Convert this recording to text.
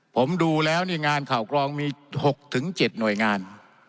ผมดูแล้วนี่งานข่าวกรองมี๖๗หน่วยงาน